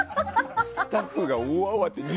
スタッフが大慌て。